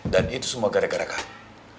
dan itu semua gara gara kamu